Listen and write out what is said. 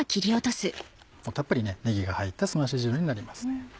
たっぷりねぎが入ったすまし汁になります。